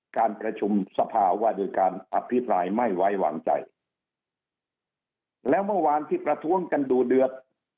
การประชุมสภาว่าด้วยการอภิปรายไม่ไว้วางใจแล้วเมื่อวานที่ประท้วงกันดูเดือด